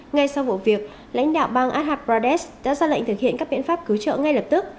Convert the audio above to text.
ngay sau vụ việc lãnh đạo bang adha pradesh đã ra lệnh thực hiện các biện pháp cứu trợ ngay lập tức